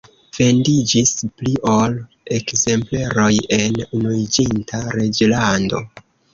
Vendiĝis pli ol ekzempleroj en Unuiĝinta Reĝlando.